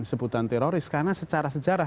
sebutan teroris karena secara sejarah